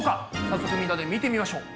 早速みんなで見てみましょう。